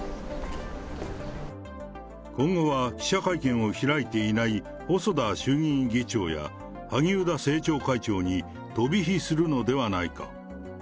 今後は記者会見を開いていない細田衆議院議長や、萩生田政調会長に飛び火するのではないか。